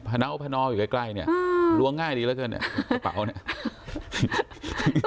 พนักอุปนอลอยู่ใกล้ใกล้เนี้ยอ่าล้วงง่ายดีแล้วเกินเนี้ยกระเป๋าเนี้ย